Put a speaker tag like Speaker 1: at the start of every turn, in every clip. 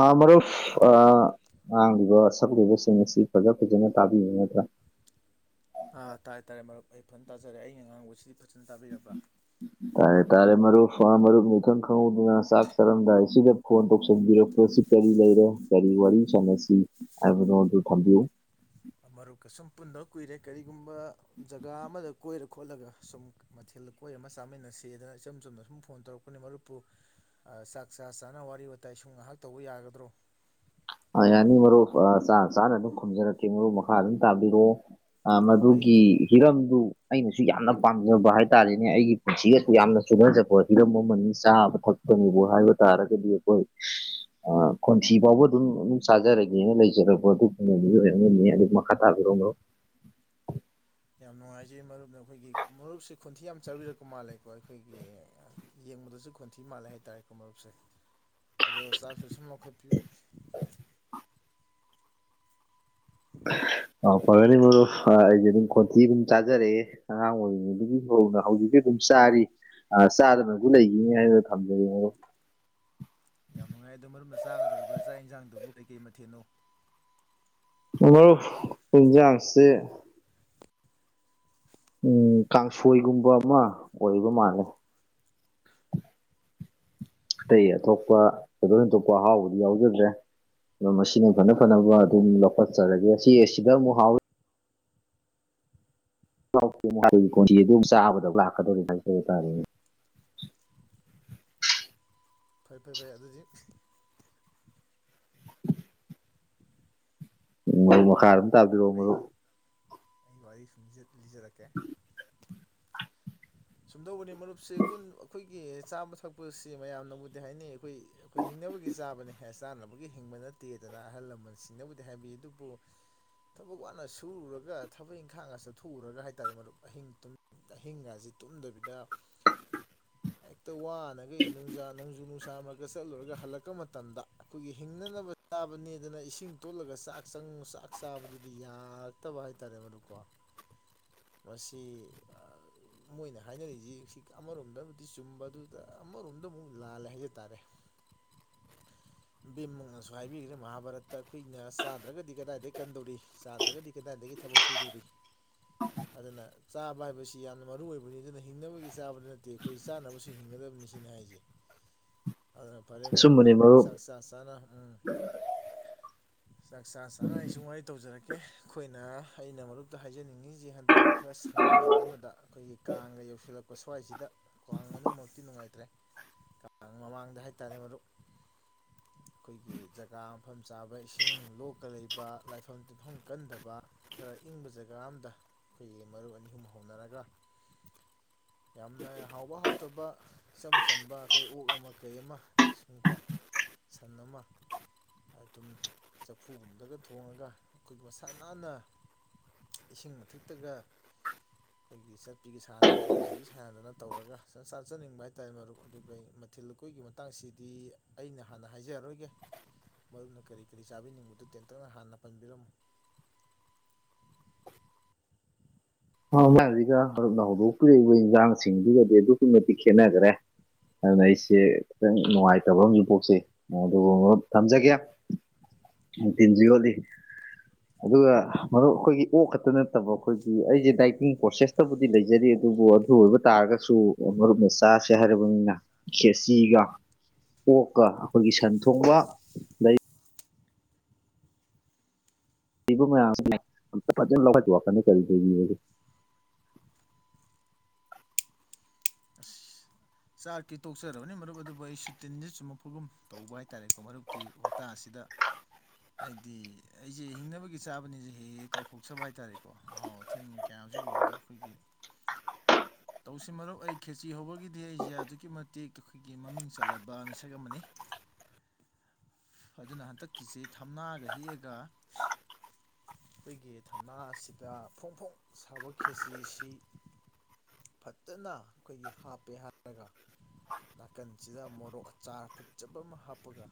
Speaker 1: ꯑꯥ ꯃꯔꯨꯞ ꯉꯥꯡꯂꯤꯕ ꯁꯛꯂꯤꯕꯁꯤꯡ ꯑꯁꯤ ꯐꯖ ꯐꯖꯅ ꯇꯥꯕꯤꯕ ꯅꯠꯇ꯭ꯔꯥ
Speaker 2: ꯑꯥ ꯇꯥꯔꯦ ꯇꯥꯔꯦ ꯃꯔꯨꯞ ꯑꯩ ꯐꯅ ꯇꯥꯖꯔꯦ ꯑꯩꯩꯅ ꯉꯥꯡꯕꯁꯤꯗꯤ ꯐꯖꯅ ꯇꯥꯕꯤꯔꯕ꯭ꯔꯥ
Speaker 1: ꯇꯥꯔꯦ ꯇꯥꯔꯦ ꯃꯔꯨꯞꯅ ꯢꯈꯪ ꯈꯪꯍꯧꯗꯅ ꯆꯥꯛ ꯆꯥꯔꯝꯗꯥꯢꯁꯤꯗ ꯐꯣꯟ ꯇꯧꯁꯤꯟꯕꯤꯔꯛꯄꯁꯤꯕꯨ ꯀꯔꯤ ꯂꯩꯔꯦ ꯀꯔꯤ ꯋꯥꯔꯤ ꯁꯥꯟꯅꯁꯤ ꯍꯥꯏꯕꯗꯣ ꯑꯗꯨ ꯊꯝꯕꯤꯌꯨ
Speaker 2: ꯃꯔꯨꯞꯀ ꯁꯨꯝ ꯄꯨꯟꯗꯕ ꯀꯨꯏꯔꯦ ꯀꯔꯤꯒꯨꯝꯕ ꯖꯒꯥ ꯑꯃꯗ ꯀꯣꯏꯔ ꯈꯣꯠꯂꯒ ꯁꯨꯝ ꯃꯊꯦꯜꯗ ꯀꯣꯏꯔ ꯑꯃ ꯆꯥꯃꯤꯟꯅ ꯁꯗꯅ ꯏꯆꯝ ꯆꯨꯝꯅ ꯁꯨꯝ ꯐꯣꯟ ꯇꯧꯔꯛꯄꯅꯤ ꯃꯔꯨꯞꯄꯨ ꯆꯥꯛ ꯆꯥ ꯆꯥꯅ ꯋꯥꯔꯤ ꯋꯥꯇꯥꯏ ꯁꯨꯝ ꯉꯥꯏꯍꯥꯛ ꯇꯧꯕ ꯌꯥꯒꯗ꯭ꯔꯣ
Speaker 1: ꯌꯥꯅꯤ ꯃꯔꯨꯞ ꯆꯅꯥ ꯆꯥꯅ ꯑꯗꯨꯝ ꯈꯨꯝꯖꯔꯛꯀꯦ ꯃꯔꯨꯞ ꯃꯈꯥ ꯑꯗꯨꯝ ꯇꯥꯕꯤꯔꯛꯑꯣ ꯑ
Speaker 2: ꯑꯣ
Speaker 1: ꯃꯗꯨꯒꯤ
Speaker 2: ꯑꯩꯗꯣ
Speaker 1: ꯍꯤꯔꯝꯗꯨ ꯑꯩꯅꯁꯨ ꯌꯥꯝꯅ ꯄꯥꯝꯖꯕ ꯍꯥꯏꯇꯥꯥꯔꯦꯅꯦ ꯑꯩꯒꯤ ꯄꯨꯟꯁꯤꯒꯁꯨ ꯌꯥꯝꯅ ꯆꯨꯅꯖꯕ ꯍꯤꯔꯝ ꯑꯃꯅꯤ ꯆꯥꯕ ꯊꯛꯄꯅꯤꯕꯨ ꯍꯥꯏꯕ ꯇꯥꯔꯒꯗꯤ ꯑꯩꯈꯣꯏ ꯈꯣꯟꯊꯤ ꯐꯥꯎꯕ ꯑꯗꯨꯝ ꯑꯗꯨꯝ ꯆꯥꯖꯔꯒꯦꯅ ꯂꯩꯖꯔꯛꯄꯣ ꯑꯗꯨꯒꯨꯝꯕ ꯃꯤꯑꯣꯢ ꯑꯃꯅꯤ ꯑꯗꯨ ꯃꯈꯥ ꯇꯥꯕꯤꯔꯛꯑꯣ ꯃꯔꯨꯞ
Speaker 2: ꯌꯥꯝ ꯅꯨꯡꯉꯥꯏꯖꯩ ꯃꯔꯨꯞꯅ ꯑꯩꯈꯣꯏꯒꯤ ꯃꯔꯨꯞꯁꯦ ꯈꯣꯟꯊꯤ ꯌꯥꯝ ꯆꯥꯕꯤꯔꯛꯄ ꯃꯥꯜꯂꯦꯀꯣ ꯑꯩꯈꯣꯏꯒꯤ ꯌꯦꯡꯕꯗꯁꯨ ꯈꯣꯟꯊꯤ ꯃꯥꯜꯂꯦ ꯍꯥꯏꯇꯥꯔꯦꯀꯣ ꯃꯔꯨꯞꯁꯦ ꯑꯗꯣ ꯆꯥꯛꯁꯨ ꯁꯨꯝ ꯂꯧꯈꯠꯄꯤꯌꯨ
Speaker 1: ꯑꯥꯎ ꯐꯒꯅꯤ ꯃꯔꯨꯞ ꯑꯩꯁꯦ ꯑꯗꯨꯝ ꯈꯣꯟꯊꯤ ꯑꯗꯨꯝ ꯆꯥꯖꯔꯛꯑꯦ ꯑꯉꯥꯡ ꯑꯣꯏꯔꯤꯉꯩꯗꯒꯤ ꯍꯧꯅ ꯍꯧꯖꯤꯛꯁꯨ ꯑꯗꯨꯝ ꯆꯥꯔꯤ ꯑ ꯆꯥꯗꯅꯁꯨ ꯂꯩꯒꯅꯤ ꯍꯥꯏꯅ ꯊꯝꯖꯒꯦ ꯃꯔꯨꯞ
Speaker 2: ꯌꯥꯝ ꯅꯨꯡꯉꯥꯏ ꯑꯗꯣ ꯃꯔꯝ ꯆꯥꯒꯗꯧꯔꯤꯕ ꯆꯥꯛ ꯌꯦꯟꯁꯥꯡꯗꯨꯕꯨ ꯀꯩꯀꯩ ꯃꯊꯦꯠꯅꯣ
Speaker 1: ꯃꯔꯨꯞ ꯍꯦꯟꯖꯥꯡꯁꯦ ꯎꯝ ꯀꯥꯡꯁꯣꯏꯒꯨꯝꯕ ꯑꯃ ꯑꯣꯏꯕ ꯃꯥꯜꯂꯦ ꯑꯇꯩ ꯑꯇꯣꯞꯄ ꯊꯣꯏꯗꯣꯡ ꯍꯦꯟꯗꯣꯡꯄ ꯑꯍꯥꯎꯕꯗꯤ ꯌꯥꯎꯖꯗ꯭ꯔꯦ ꯑ ꯃꯁꯤꯅ ꯐꯅ ꯐꯅꯕ ꯑꯗꯨꯝ ꯂꯧꯈꯠꯆꯔꯒꯦ ꯑꯁꯤ ꯑꯁꯤꯗ ꯑꯃꯨꯛ ꯍꯥꯎ [inaudible] ꯑꯗꯨꯝ ꯆꯥꯕꯗ ꯂꯥꯛꯀꯗꯧꯔꯤꯕ ꯍꯥꯏꯖꯕ ꯇꯥꯔꯦꯅꯦ
Speaker 2: ꯐꯩ ꯐꯩ ꯐꯩ ꯑꯗꯨꯗꯤ
Speaker 1: ꯎꯝ ꯋꯥꯔꯤ ꯃꯈꯥ
Speaker 2: ꯁꯥꯕꯤꯌꯨ
Speaker 1: ꯑꯗꯨꯝ ꯇꯥꯕꯤꯔꯧ ꯃꯔꯨꯞ
Speaker 2: ꯑꯩ ꯋꯥꯔꯤ ꯁꯨꯝꯖꯤꯠ ꯂꯤꯖꯔꯛꯀꯦ ꯁꯨꯝꯗꯧꯕꯅꯤ ꯃꯔꯨꯞꯁꯦ ꯀꯨꯟ ꯑꯈꯣꯏꯒꯤ ꯆꯥꯃ ꯊꯛꯄꯁꯤ ꯃꯌꯥꯝꯅꯕꯨꯗꯤ ꯍꯥꯏꯅꯩ ꯈꯨꯏ ꯑꯈꯣꯏ ꯍꯤꯡꯅꯕꯒꯤ ꯆꯥꯕꯅꯦ ꯍ ꯆꯥꯅꯕꯒꯤ ꯍꯤꯡꯕ ꯅꯠꯇꯦꯗꯅ ꯑꯍꯜ ꯂꯃꯟꯁꯤꯡꯅꯕꯨꯗꯤ ꯍꯥꯏꯕꯤ ꯑꯗꯨꯕꯨ ꯊꯕꯛ ꯋꯥꯅ ꯁꯨꯔꯨꯔꯒ ꯊꯕꯛ ꯏꯪꯈꯥꯡꯒ ꯆꯠꯊꯣꯛꯎꯔꯒ ꯍꯥꯏꯇꯥꯔꯦ ꯃꯔꯨꯞ ꯑꯍꯤꯡ ꯇꯨꯝ ꯑꯍꯤꯡ ꯒꯖꯤ ꯇꯨꯝꯗꯕꯤꯗ ꯍꯦꯛꯇ ꯋꯥꯅꯒꯩ ꯅꯣꯡꯖꯥ ꯅꯣꯡꯖꯨ ꯅꯨꯡꯁꯥ ꯃ ꯆꯠꯂꯨꯔꯒ ꯍꯜꯂꯛꯄ ꯃꯇꯝꯗ ꯑꯈꯣꯏꯒꯤ ꯍꯤꯡꯅꯅꯕ ꯆꯥꯕꯅꯦꯗꯅ ꯏꯁꯤꯡ ꯇꯣꯠꯂꯒ ꯆꯥꯛ ꯆꯪ ꯆꯥꯛ ꯆꯥꯕꯗꯨꯗꯤ ꯌꯥꯔꯛꯇꯕ ꯍꯥꯏꯇꯥꯔꯦ ꯃꯗꯨꯀꯣ ꯃꯁꯤ ꯃꯣꯏꯅ ꯍꯥꯏꯅꯔꯤꯁꯤ ꯁꯤ ꯑꯃꯔꯣꯝꯗꯕꯨꯗꯤ ꯆꯨꯝꯕ ꯑꯗꯨꯗ ꯑꯃꯔꯣꯝꯗ ꯃꯨꯛ ꯂꯥꯜꯂꯦ ꯍꯥꯏꯖ ꯇꯥꯔꯦ [inaudible] ꯕꯤꯝꯃꯛꯅꯁꯨ ꯍꯥꯏꯕꯤꯒ꯭ꯔꯦ ꯃꯍꯥꯚꯥꯔꯠꯇ ꯑꯈꯣꯏꯅ ꯆꯥꯗ꯭ꯔꯒꯗꯤ ꯀꯗꯥꯏꯗꯩꯩ ꯀꯟꯗꯧꯔꯤ ꯆꯥꯗ꯭ꯔꯒꯗꯤ ꯀꯗꯥꯏꯗꯒꯤ ꯊꯕꯛ ꯁꯨꯗꯨꯔꯤ ꯑꯗꯨꯅ ꯆꯥꯕ ꯍꯥꯏꯕꯁꯤ ꯌꯥꯝꯅ ꯃꯔꯨ ꯑꯣꯏ ꯎꯔꯦ ꯑꯗꯨꯅ ꯍꯤꯡꯅꯕꯒꯤ ꯆꯥꯕ ꯅꯠꯇꯦ ꯑꯈꯣꯏ ꯆꯥꯅꯕꯁꯨ ꯍꯤꯡꯒꯗꯕꯅꯤ ꯁꯤꯅꯤ ꯍꯥꯏꯖꯦ ꯑꯗꯨꯅ ꯐꯔꯦ ꯃꯔꯨꯞ ꯆꯥꯛ ꯆꯥ ꯆꯥꯅ ꯎꯝ ꯆꯥꯛ ꯆꯥ ꯆꯥꯅ ꯑꯩ ꯁꯨꯝ ꯋꯥꯔꯤ ꯇꯧꯖꯔꯛꯀꯦ ꯑꯈꯣꯏꯅ ꯑꯩꯅ ꯃꯔꯨꯞꯇ ꯍꯥꯏꯖꯅꯤꯡꯉꯤꯖꯤ ꯍꯟꯗꯛ ꯈꯔ ꯁꯪꯕ ꯅꯨꯃꯤꯠ ꯑꯃꯗ ꯑꯈꯣꯏꯒꯤ ꯀꯥꯡꯒ ꯌꯧꯁꯤꯜꯂꯛꯄ ꯁ꯭ꯋꯥꯏꯁꯤꯗ ꯀꯥꯡ ꯃꯅꯨꯡꯃꯛꯇꯤ ꯅꯨꯡꯉꯥꯏꯇ꯭ꯔꯦ ꯀꯥꯡ ꯃꯃꯥꯡꯗ ꯍꯥꯏꯇꯥꯔꯦ ꯃꯔꯨꯞ ꯑꯈꯣꯏꯒꯤ ꯖꯒꯥ ꯃꯐꯝ ꯆꯥꯕ ꯏꯁꯤꯡ ꯂꯣꯛꯀ ꯂꯩꯕ ꯂꯥꯏꯐꯝ ꯇꯤꯟꯐꯝ ꯀꯟꯗꯕ ꯈꯔ ꯏꯪꯕ ꯖꯒꯥ ꯑꯃꯗ ꯈꯣꯏꯒꯤ ꯃꯔꯨꯞ ꯑꯅꯤ ꯑꯍꯨꯝ ꯍꯧꯅꯔꯒ ꯌꯥꯝꯅ ꯍꯥꯎꯕ ꯍꯥꯎꯇꯕ ꯏꯆꯝ ꯆꯝꯕ ꯑꯈꯣꯏ ꯑꯣꯛ ꯑꯃ ꯀꯩ ꯑꯃ ꯁꯨꯝꯀꯣ ꯁꯟ ꯑꯃ ꯑꯗꯨꯝ ꯆꯐꯨꯒꯨꯝꯗꯒ ꯊꯣꯡꯉꯒ ꯑꯩꯈꯣꯏꯒꯤ ꯃꯁꯥ ꯅꯥꯟꯅ ꯏꯁꯤꯡ ꯃꯊꯛꯇꯒ ꯑꯩꯈꯣꯏꯒꯤ ꯆꯠ ꯇꯤꯒꯤ ꯁꯥꯥꯟꯅꯩ ꯏꯔꯨꯖꯕꯤ ꯁꯥꯟꯅꯗꯅ ꯇꯧꯔꯒ ꯁ ꯆꯥꯖꯅꯤꯡꯕ ꯍꯥꯏꯇꯥꯔꯦ ꯃꯔꯨꯞ ꯑꯗꯨꯒꯤ ꯃ ꯊꯤꯜ ꯂꯨꯀꯣꯏꯒꯤ ꯃꯇꯥꯡꯁꯤꯗꯤ ꯑꯩꯅ ꯍꯥꯟꯅ ꯍꯥꯏꯖꯔꯔꯣꯏꯒꯦ ꯃꯔꯨꯞꯅ ꯀꯔꯤ ꯀꯔꯤ ꯆꯥꯕꯤꯅꯤꯡꯕꯗꯨ ꯇꯦꯟꯇꯛꯅ ꯍꯥꯟꯅ ꯄꯟꯕꯤꯔꯝꯃꯨ
Speaker 1: [unintelligible] ꯃꯔꯨꯞꯅ ꯍꯧꯗꯣꯄꯤꯔꯛꯏꯕ ꯏꯪꯖꯥꯡꯁꯤꯡꯗꯨꯒꯗꯤ ꯑꯗꯨꯛꯀꯤ ꯃꯇꯤꯛ ꯈꯦꯠꯅꯒ꯭ꯔꯦ ꯑꯗꯨꯅ ꯑꯩꯁꯦ ꯈꯤꯇꯪ ꯅꯨꯡꯉꯥꯏꯇꯕ ꯑꯃꯖꯨ ꯄꯣꯛꯆꯩ ꯑꯗꯨꯕꯨ ꯃꯔꯨꯞ ꯊꯝꯖꯒꯦ ꯇꯤꯟꯖꯨ ꯌꯣꯠꯂꯤ ꯑꯗꯨꯒ ꯃꯔꯨꯞ ꯑꯈꯣꯢꯒꯤ ꯑꯣꯛ ꯈꯇ ꯅꯠꯇꯕ ꯑꯈꯣꯏꯒꯤ ꯑꯩꯖꯦ ꯥꯗꯥꯏꯇꯤꯡ ꯄ꯭ꯔꯣꯁꯦꯁꯇꯕꯨꯗꯤ ꯂꯩꯖꯔꯤ ꯑꯗꯨꯕꯨ ꯑꯗꯨ ꯑꯣꯏꯕ ꯇꯥꯔꯒꯁꯨ ꯃꯔꯨꯞꯅ ꯆꯥꯁꯦ ꯍꯥꯏꯔꯕꯅꯤꯅ ꯈꯦꯆꯤꯒ ꯑꯣꯛꯀ ꯑꯈꯣꯏꯒꯤ ꯁꯟ ꯊꯣꯡꯕ ꯂꯩ ꯂꯩꯕ ꯃꯌꯥꯝꯁꯤ ꯑꯝꯇ ꯐꯖꯅ [inaudible] ꯀꯔꯤ ꯀꯔꯤ ꯂꯩꯒꯦ
Speaker 2: ꯑꯁ ꯆꯥꯛꯇꯤ ꯇꯣꯛꯆꯔꯕꯅꯤ ꯃꯔꯨꯞ ꯑꯗꯨꯕꯨ ꯑꯩꯁꯨ ꯇꯤꯟꯗꯤ ꯆꯨꯝꯃꯛꯐꯒꯨꯝ ꯇꯧꯕ ꯍꯥꯏꯇꯥꯔꯦꯀꯣ ꯃꯔꯨꯞꯀꯤ ꯋꯥ ꯇꯥꯁꯤꯗ ꯍꯥꯏꯗꯤ ꯑꯩꯖꯦ ꯍꯤꯡꯅꯕꯒꯤ ꯆꯥꯕꯅꯤꯖꯦ ꯍꯦ ꯍꯦꯛ ꯀꯥꯎꯊꯣꯛꯆꯕ ꯍꯥꯏꯇꯥꯔꯦꯀꯣ ꯑꯍꯥꯎ ꯊꯦꯟ ꯀꯌꯥꯝꯁꯦ ꯎꯕꯗ ꯈꯣꯏꯒꯤ
Speaker 1: [inaudible]
Speaker 2: ꯇꯧꯁꯤ ꯃꯔꯨꯞ ꯑꯩ ꯈꯦꯆꯤ ꯍꯧꯕꯒꯤ ꯗꯤ ꯑꯩꯖꯦ ꯑꯗꯨꯛꯀꯤ ꯃꯇꯤꯛ ꯑꯩꯈꯣꯏꯒꯤ ꯃꯃꯤꯡ ꯆꯠꯂꯕ ꯃꯤꯁꯛ ꯑꯃꯅꯤ꯫ ꯑꯗꯨꯅ ꯍꯟꯗꯛꯀꯤꯁꯤ ꯊꯝꯅꯥꯒ ꯍꯦꯛꯑꯒ ꯑꯩꯈꯣꯏꯒꯤ ꯊꯝꯅꯥ ꯁꯤꯗ ꯐꯣꯡ ꯐꯣꯡ ꯁꯥꯕ ꯈꯦꯆꯤ ꯁꯤ ꯐꯖꯅ ꯑꯩꯈꯣꯏꯒꯤ ꯍꯥꯞꯄꯦ ꯍꯥꯏ ꯔꯒ ꯅꯥꯀꯟꯁꯤꯗ ꯃꯣꯔꯣꯛ ꯑꯆꯥꯔ ꯐꯠꯖꯕ ꯑꯃ ꯍꯥꯞꯄꯒ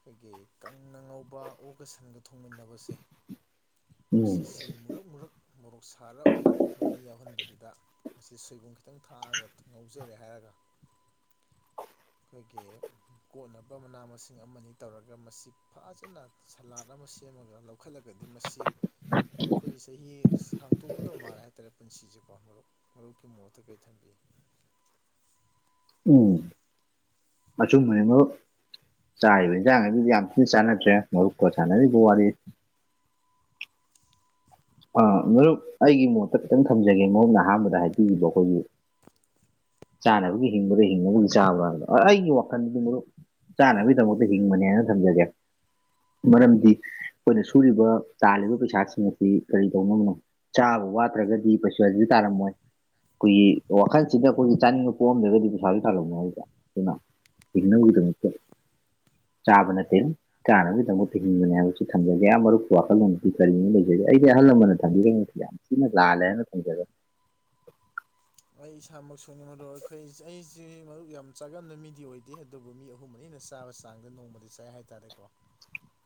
Speaker 2: ꯈꯣꯏꯒꯤ ꯀꯪꯅ ꯉꯧꯕ ꯑꯣꯛꯒ ꯁꯟꯒ ꯊꯣꯡꯃꯤꯟꯅꯕꯁꯦ꯫
Speaker 1: ꯎꯝ
Speaker 2: ꯃꯁꯤꯁꯤ ꯃꯨꯔꯛ ꯃꯨꯔꯛ꯫ ꯃꯣꯔꯣꯛ ꯁꯥꯔꯞ ꯃꯍꯤ ꯌꯥꯎꯍꯟꯗꯕꯤꯗ ꯃꯁꯤ ꯁꯣꯏꯕꯨꯝ ꯈꯤꯇꯪ ꯊꯥꯛꯑꯒ꯫ ꯉꯧꯖꯔꯦ ꯍꯥꯏꯔꯒ ꯑꯩꯈꯣꯏꯒꯤ꯫ ꯀꯣꯟꯅꯕ ꯃꯅꯥ ꯃꯁꯤꯡ ꯑꯃꯅꯤ ꯇꯧꯔꯒ ꯃꯁꯤ ꯐꯖꯅ ꯁꯂꯥꯠ ꯑꯃ ꯁꯦꯝꯃꯒ ꯂꯧ ꯈꯠꯂꯒꯗꯤ ꯃꯁꯤ ꯈꯣꯏ ꯆꯍꯤ ꯁꯥꯡꯇꯣꯛꯀꯗꯕ ꯃꯥꯜꯂꯦ ꯍꯥꯏꯇꯥꯔꯦ ꯄꯨꯟꯁꯤꯁꯦꯀꯣ ꯃꯔꯨꯞ꯫ ꯃꯔꯨꯞꯀꯤ ꯃꯣꯠꯇ ꯀꯩ ꯊꯝꯒꯦ꯫
Speaker 1: ꯎꯝ ꯑꯆꯨꯝꯕꯅꯦ ꯃꯔꯨꯞ꯫ ꯆꯥꯔꯤꯕ ꯍꯦꯟꯁꯥꯡ ꯌꯥꯝ ꯊꯤꯅ ꯆꯥꯅꯗ꯭ꯔꯦ ꯃꯔꯨꯞꯀ ꯁꯥꯟꯅꯔꯤꯕ ꯋꯥꯔꯤ
Speaker 2: [inaudible]
Speaker 1: ꯑ ꯃꯔꯨꯞ ꯑꯩꯒꯤ ꯃꯣꯠꯇ ꯈꯤꯇꯪ ꯊꯝꯖꯒꯦ ꯃꯔꯨꯞꯅ ꯑꯍꯥꯟꯕꯗ ꯍꯥꯏꯕꯤꯈꯤꯕ ꯑꯈꯣꯏꯒꯤ ꯆꯥꯅꯕꯒꯤ ꯍꯤꯡꯕ꯭ꯔꯥ ꯍꯤꯡꯅꯕꯒꯤ ꯆꯥꯕ꯭ꯔꯥ ꯍꯥꯏꯕ ꯑꯩꯒꯤ ꯋꯥꯈꯟꯗꯗꯤ ꯃꯔꯨꯞ꯫ ꯆꯥꯅꯕꯒꯤꯗꯃꯛꯇ ꯍꯤꯡꯕꯅꯦ ꯍꯥꯏꯅ ꯊꯝꯖꯒꯦ ꯃꯔꯝꯗꯤ꯫ ꯑꯩꯈꯣꯏꯅ ꯁꯨꯔꯤꯕ ꯇꯥꯜꯂꯤꯕ ꯄꯩꯁꯥꯁꯤꯡ ꯁꯤ ꯀꯔꯤ ꯇꯧꯅꯕꯅꯣ ꯆꯥꯕ ꯋꯥꯠꯇ꯭ꯔꯒꯗꯤ ꯄꯩꯁꯥ ꯁꯥꯖ ꯇꯥꯂꯝꯃꯣꯏ ꯈꯣꯏꯒꯤ ꯋꯥꯈꯜꯁꯤꯗ ꯑꯩꯈꯣꯏ ꯆꯥꯅꯤꯡꯕ ꯄꯣꯛꯑꯝꯗ꯭ꯔꯒꯗꯤ ꯄꯩꯁꯥꯁꯨ ꯇꯥꯜꯂꯝꯃꯣꯢ ꯑꯗꯨꯅ ꯍꯤꯡꯅꯕꯒꯤꯗꯃꯛꯇ ꯆꯥꯕ ꯅꯠꯇꯦ꯫ ꯆꯥꯅꯕꯒꯤꯗꯃꯛꯇ ꯍꯤꯡꯕꯅꯤ ꯍꯥꯏꯕꯁꯤ ꯊꯝꯖꯒꯦ ꯃꯔꯨꯞꯒꯤ ꯋꯥꯈꯜꯂꯣꯟꯗꯗꯤ ꯀꯔꯤꯅꯤ ꯂꯩꯖꯩ ꯑꯩꯗꯤ ꯑꯍꯥꯜ ꯂꯥꯃꯟꯅ ꯊꯝꯕꯤꯔꯤ ꯁꯤꯅ ꯂꯥꯟꯂꯦ ꯍꯥꯢꯅ ꯊꯝꯖꯒꯦ꯫
Speaker 2: ꯑꯩ ꯏꯁꯥꯃꯛ ꯁꯨꯅꯤ ꯃꯗꯣ ꯑꯩꯈꯣꯏ ꯑꯩꯁꯤ ꯃꯔꯨꯞ ꯌꯥꯝ ꯆꯥꯒꯟꯕ ꯃꯤꯗꯤ ꯑꯣꯏꯗꯦ ꯑꯗꯨꯕꯨ ꯃꯤ ꯑꯍꯨꯝ ꯃꯅꯤꯅ ꯆꯥꯕ ꯆꯥꯡꯗ ꯅꯣꯡꯃꯗꯤ ꯆꯥꯏ ꯍꯥꯏꯇꯥꯔꯦꯀꯣ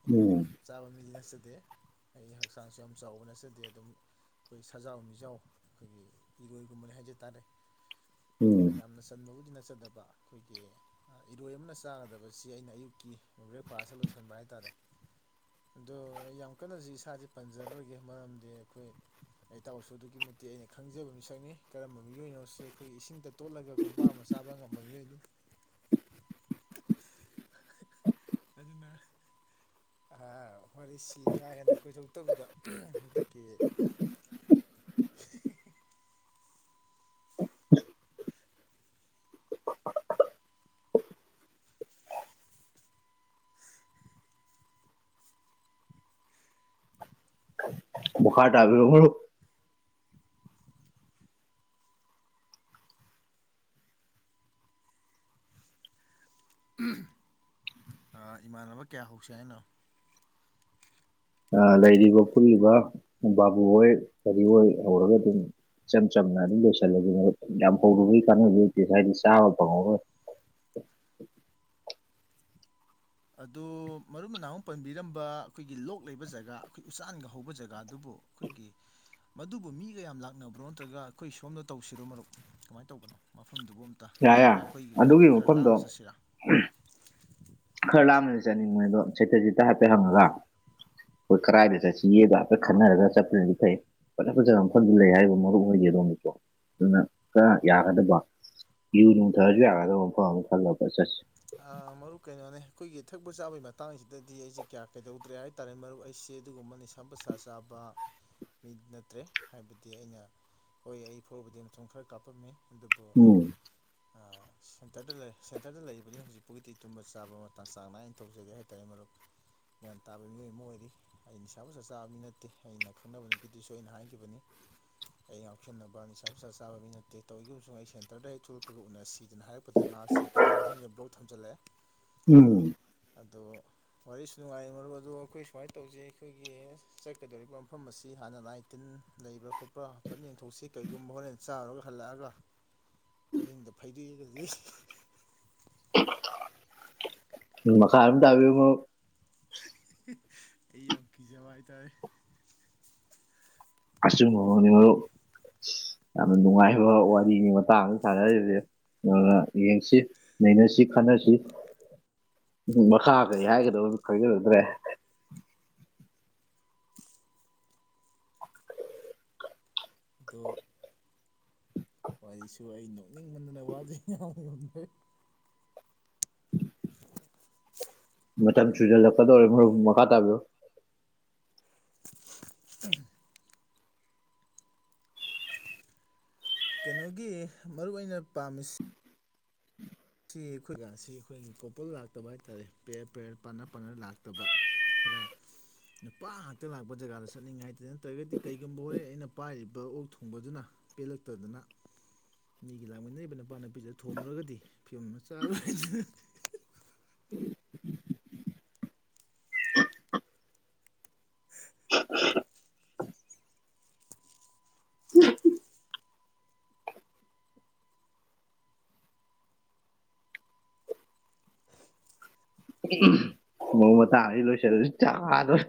Speaker 2: ꯑꯩ ꯌꯥꯝ
Speaker 1: ꯎꯝ
Speaker 2: ꯆꯥꯕ ꯃꯤꯗꯤ ꯅꯠꯆꯗꯦ ꯑꯩꯒꯤ ꯍꯛꯆꯥꯡꯁꯨ ꯌꯥꯝ ꯆꯥꯎꯕ ꯅꯠꯆꯗꯦ ꯑꯗꯨꯝ ꯈꯣꯏ ꯁꯖꯥꯎ ꯃꯤꯖꯥꯎ ꯑꯩꯈꯣꯏꯒꯤ ꯏꯔꯣꯏꯒꯨꯝꯕꯅꯤ ꯍꯥꯏꯖ ꯇꯥꯔꯦ
Speaker 1: ꯎꯝ
Speaker 2: ꯌꯥꯝꯅ ꯆꯟꯕꯕꯨꯗꯤ ꯅꯠꯆꯗꯕ ꯑꯩꯈꯣꯏꯒꯤ꯫ ꯏꯔꯣꯏ ꯑꯃꯅ ꯆꯥꯒꯗꯕꯁꯤ ꯑꯩꯅ ꯑꯌꯨꯛꯀꯤ ꯕ꯭ꯔꯦꯛꯐꯥꯁꯇ ꯂꯣꯏꯁꯟꯕ ꯍꯥꯏ ꯇꯥꯔꯦ꯫ ꯑꯗꯣ ꯌꯥꯝ ꯀꯟꯅꯁꯨ ꯏꯁꯥꯁꯦ ꯄꯟꯖꯔꯣꯏꯒꯦ ꯃꯔꯝꯗꯤ ꯑꯩꯈꯣꯏ꯫ ꯑꯩ ꯢꯇꯥꯎꯁꯨ ꯑꯗꯨꯛꯀꯤ ꯃꯇꯤꯛ ꯑꯩꯅ ꯈꯪꯖꯕ ꯃꯤꯁꯛꯅꯤ ꯀꯔꯝꯕ ꯃꯤꯑꯣꯏꯅꯣꯁꯦ ꯑꯩꯈꯣꯏ ꯏꯁꯤꯡꯗ ꯇꯣꯠꯂꯒ ꯀꯣꯝꯄꯥꯛ ꯑꯃ ꯆꯥꯕ ꯉꯝꯕ ꯃꯤꯑꯣꯏꯅꯤ꯫ ꯑꯗꯨꯅ ꯑ ꯋꯥꯔꯤꯁꯤ ꯀꯥ ꯍꯦꯟꯅ ꯀꯣꯏꯊꯣꯛꯇꯕꯤꯗ ꯍꯟꯗꯛꯀꯤ [inaudible]
Speaker 1: ꯃꯈꯥ ꯇꯕꯤꯔꯛꯎꯨ ꯃꯔꯨꯞ꯫
Speaker 2: ꯑꯥ ꯏꯃꯥꯟꯅꯕ ꯀꯌꯥ ꯍꯧꯁꯤ ꯍꯥꯏꯅꯣ꯫
Speaker 1: ꯂꯩꯔꯤꯕ ꯐꯨꯂꯤꯕ ꯕꯥꯕꯨꯍꯣꯏ ꯀꯔꯤ ꯍꯣꯏ ꯍꯧꯔꯒ ꯑꯗꯨꯝ ꯏꯆꯝ ꯆꯝꯅ ꯑꯗꯨꯝ ꯂꯣꯏꯁꯤꯜꯂꯒꯦ ꯃꯔꯨꯞ ꯌꯥꯝ ꯍꯧꯔꯨꯕꯒꯤ ꯀꯥꯟꯅꯕ ꯍꯥꯏꯗꯤ ꯆꯥꯕ ꯐꯪꯍꯧꯔꯣꯢ꯫
Speaker 2: ꯑꯗꯣ ꯃꯔꯨꯞꯅ ꯅꯥꯍꯥꯃꯨꯛ ꯄꯟꯕꯤꯔꯝꯕ ꯑꯈꯣꯏꯒꯤ ꯂꯣꯛ ꯂꯩꯕ ꯖꯒꯥ ꯑꯈꯣꯏ ꯎꯆꯥꯟꯒ ꯍꯧꯕ ꯖꯒꯥꯗꯨꯕꯨ꯫ ꯑꯩꯈꯣꯏꯒꯤ꯫ ꯃꯗꯨꯕꯨ ꯃꯤꯒ ꯌꯥꯝ ꯂꯥꯛꯅꯕ꯭ꯔꯣ ꯅꯠꯇ꯭ꯔꯒ ꯑꯩꯈꯣꯏ ꯁꯣꯝꯅ ꯇꯧꯁꯤꯔꯣ ꯃꯔꯨꯞ ꯀꯃꯥꯏꯅ ꯇꯧꯕꯅꯣ ꯃꯐꯝꯗꯨꯕꯨ
Speaker 1: ꯌꯥꯏ ꯌꯥꯏ
Speaker 2: ꯅꯠꯇ꯭ꯔꯒ ꯑꯈꯣꯏꯒꯤ ꯑꯈꯣꯏꯒꯤ
Speaker 1: ꯑꯗꯨꯒꯤ
Speaker 2: ꯈꯔ
Speaker 1: ꯃꯐꯝꯗꯣ
Speaker 2: ꯂꯥꯝꯅ ꯆꯠꯁꯤꯔꯥ꯫
Speaker 1: ꯈꯔ ꯂꯥꯞꯅ ꯆꯠꯅꯤꯡꯕꯅꯤ ꯑꯗꯣ ꯁꯦꯇꯔꯖꯤꯠꯇ ꯍꯥꯏꯐꯦꯠ ꯍꯪꯉꯒ ꯑꯩꯈꯣꯏ ꯀꯔꯥꯏꯗ ꯆꯠꯁꯤꯒꯦꯗꯣ ꯑꯝ ꯈꯟꯅꯔꯒ ꯆꯠꯄꯅꯗꯤ ꯐꯩ꯫ ꯐꯖ ꯐꯖꯕ ꯃꯐꯝꯒꯤ ꯂꯩ ꯍꯥꯏꯔꯤꯕ ꯃꯔꯨꯞ ꯑꯣꯏꯒꯤ ꯑꯗꯣꯝꯒꯤꯀꯣ ꯑꯗꯨꯅ ꯈꯔ ꯌꯥꯒꯗꯕ꯫ ꯌꯨ ꯅꯣꯡ ꯊꯥꯛꯑꯁꯨ ꯌꯥꯒꯗꯕ ꯃꯐꯝ ꯑꯃ ꯈꯜꯂꯒ ꯐꯖꯟ ꯆꯠꯁꯦ꯫
Speaker 2: ꯃꯔꯨꯞ ꯀꯩꯅꯣꯅꯦ ꯑꯩꯈꯣꯏꯒꯤ ꯊꯛꯄ ꯆꯥꯕꯒꯤ ꯃꯇꯥꯡꯁꯤꯗꯗꯤ ꯑꯩꯁꯦ ꯀꯌꯥ ꯀꯩꯗꯧꯗ꯭ꯔꯦ ꯍꯥꯏ꯫ ꯇꯔꯥꯏ ꯃꯔꯨꯞ ꯑꯩꯁꯦ ꯑꯗꯨꯒꯨꯝꯕ ꯅꯤꯁ ꯄꯣꯠꯁꯥ ꯆꯥꯕ꯫ ꯃꯤ ꯅꯠꯇ꯭ꯔꯦ ꯍꯥꯏꯕꯗꯤ ꯑꯩꯅ ꯍꯣꯏ ꯑꯩ ꯐꯨꯔꯕꯨꯗꯤ ꯃꯇꯝ ꯈꯔ ꯀꯥꯞꯄꯝꯃꯤ꯫ ꯑꯗꯨꯕꯨ ꯑꯩ
Speaker 1: ꯎꯝ
Speaker 2: ꯁꯦꯟꯇꯔꯗ ꯁꯦꯟꯇꯔꯗ ꯂꯩ꯫ ꯄꯨꯗꯤ ꯍꯧꯖꯤꯛ ꯄꯥꯎꯒꯤꯗꯤ ꯇꯨꯝꯕ ꯆꯥꯕ ꯃꯇꯥꯡ ꯆꯥꯡ ꯅꯥꯏꯅ ꯊꯧꯖꯒꯦ ꯍꯥꯏꯇꯥꯔꯦ ꯃꯔꯨꯞ꯫ ꯒ꯭ꯌꯥꯟ ꯇꯥꯕ ꯃꯤꯑꯣꯏ ꯑꯃ ꯑꯣꯏꯔꯤ ꯑꯩ ꯅꯤꯁꯥ ꯁꯥ ꯆꯥꯕ ꯃꯤ ꯅꯠꯇꯦ ꯑꯩꯅ ꯈꯪꯅꯕ ꯅꯨꯄꯤꯗꯨꯁꯨ ꯑꯩꯅ ꯍꯥꯏꯈꯤꯕꯅꯤ꯫ ꯑꯩ ꯉꯥꯎꯁꯟꯅꯕ ꯅꯤꯁꯥ ꯄꯨꯁꯥ ꯆꯥꯕ ꯃꯤ ꯅꯠꯇꯦ ꯇꯧꯈꯤꯕ ꯑꯩ ꯁꯦꯟꯇꯔꯗꯩ ꯊꯣꯛꯂꯛꯄꯒ ꯎꯅꯁꯤ꯫ ꯑꯗꯨꯅ ꯍꯥꯏꯔꯛꯄꯗꯤ ꯃꯍꯥꯛꯁꯤ ꯀꯩꯗꯧꯔꯝꯅꯣ ꯈꯪꯗꯦ ꯕ꯭ꯂꯣꯛ ꯊꯝꯖꯤꯜꯂꯛꯑꯦ꯫
Speaker 1: ꯎꯝ꯫
Speaker 2: ꯑꯗꯣ꯫ ꯋꯥꯔꯤꯁꯨ ꯅꯨꯡꯉꯥꯏꯔꯤ ꯃꯔꯨꯞ ꯑꯗꯣ ꯑꯩꯈꯣꯏ ꯁꯨꯃꯥꯏꯅ ꯇꯧꯖꯤ ꯑꯩꯈꯣꯏꯒꯤ ꯆꯠꯀꯗꯧꯔꯤꯕ ꯃꯐꯝ ꯑꯁꯤ ꯍꯥꯟꯅ ꯂꯥꯏ꯫ ꯇꯤꯟ ꯂꯩꯕ꯭ꯔꯥ ꯈꯣꯠꯄ꯭ꯔꯥ ꯐꯖꯟ ꯌꯦꯡꯊꯣꯛꯁꯤ ꯀꯩꯒꯨꯝꯕ ꯍꯣꯔꯦꯟ ꯆꯥꯔꯨꯔꯒ ꯍꯜꯂꯛꯑꯒ꯫ ꯑꯍꯤꯡꯗ ꯐꯩꯗꯦꯛꯑꯗꯤ
Speaker 1: ꯃꯈꯥ ꯑꯗꯨꯝ ꯇꯕꯤꯌꯨ ꯃꯔꯨꯞ꯫
Speaker 2: ꯑꯩ ꯌꯥꯝ ꯀꯤꯖꯕ ꯍꯥꯏꯇꯥꯔꯦ꯫
Speaker 1: ꯑꯆꯨꯝꯕ ꯃꯛꯅꯤ ꯃꯔꯨꯞ ꯌꯥꯝꯅ ꯅꯨꯡꯉꯥꯏꯕ ꯋꯥꯔꯤꯅꯤ ꯃꯇꯥꯡꯗ ꯁꯤꯗ ꯁꯥꯟꯅꯔꯤꯁꯤ ꯑꯗꯨꯅ ꯌꯦꯡꯁꯤ ꯅꯩꯅꯁꯤ ꯈꯟꯅꯁꯤ꯫ ꯃꯈꯥ ꯀꯔꯤ ꯍꯥꯏꯒꯗꯕꯅꯣ ꯈꯪꯖꯤꯜꯂꯛꯇ꯭ꯔꯦ꯫
Speaker 2: ꯑꯗꯣ꯫ ꯋꯥꯔꯤꯁꯨ ꯑꯩ ꯅꯣꯛꯅꯤꯡꯃꯟꯗꯅ ꯋꯥꯔꯤ ꯉꯥꯡ ꯉꯝꯗ꯭ꯔꯦ [inaudible]
Speaker 1: ꯃꯇꯝ ꯆꯨꯖꯜꯂꯛꯀꯗꯧꯔꯦ ꯃꯔꯨꯞ ꯃꯈꯥ ꯇꯥꯕꯤꯔꯛꯑꯣ꯫
Speaker 2: ꯀꯩꯅꯣꯒꯤ ꯃꯔꯨꯞ ꯑꯩꯅ ꯄꯥꯝꯃꯤꯁꯤ꯫ ꯁꯤ ꯑꯩꯈꯣꯏꯒꯁꯤ ꯑꯩꯈꯣꯏꯒꯤ ꯀꯣꯄꯜ ꯂꯥꯛꯇꯕ ꯍꯥꯏꯇꯥꯔꯦ ꯄꯦꯔ ꯄꯦꯔ ꯄꯥꯠꯅꯦꯄꯥꯠꯅꯔ ꯂꯥꯛꯇꯕ꯫ ꯈꯔ꯫ ꯅꯨꯄꯥ ꯉꯥꯛꯇ ꯂꯥꯛꯄ ꯖꯒꯥꯗ ꯆꯠꯅꯤꯡꯉꯥꯏ ꯍꯥꯏꯇꯤ ꯅꯠꯇ꯭ꯔꯒꯗꯤ ꯀꯩꯒꯨꯝꯕ ꯍꯣꯔꯦꯟ ꯑꯩꯅ ꯄꯥꯏꯔꯤꯕ ꯑꯣꯛ ꯊꯣꯡꯕꯗꯨꯅ꯫ ꯄꯦꯜꯂꯛꯇꯗꯅ ꯃꯤꯒꯤ ꯂꯥꯡꯃꯤꯟꯅꯔꯤꯕ ꯅꯨꯄꯥ ꯅꯨꯄꯤꯗꯨꯗ ꯊꯣꯝꯃꯨꯔꯒꯗꯤ꯫ ꯐꯤꯕꯝ ꯑꯃ ꯆꯥꯔꯣꯢ
Speaker 1: ꯃꯇꯥꯡ ꯑꯁꯤꯗ ꯂꯣꯢꯁꯤꯜꯂꯁꯤ ꯆꯥꯛ ꯍꯥꯗꯧꯔꯦ